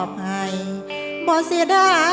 เพลงเพลง